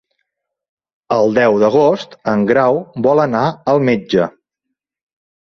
El deu d'agost en Grau vol anar al metge.